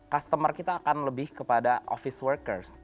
customer kita akan lebih kepada office workers